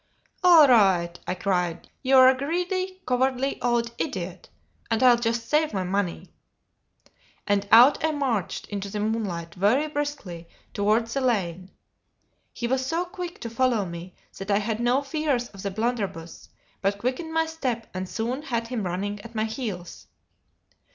"All right!" I cried; "you're a greedy, cowardly, old idiot, and I'll just save my money." And out I marched into the moonlight, very briskly, towards the lane; he was so quick to follow me that I had no fears of the blunderbuss, but quickened my step, and soon had him running at my heels.